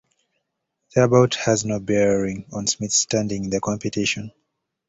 Their bout had no bearing on Smith's standing in the competition.